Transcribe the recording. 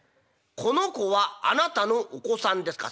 『この子はあなたのお子さんですか？』」。